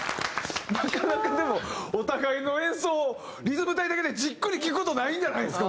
なかなかでもお互いの演奏をリズム隊だけでじっくり聴く事ないんじゃないですか？